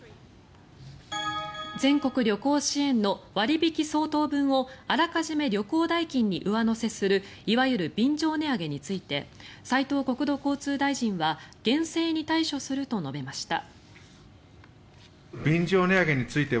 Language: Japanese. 全国旅行支援の割引相当分をあらかじめ旅行代金に上乗せするいわゆる便乗値上げについて斉藤国土交通大臣は厳正に対処すると述べました。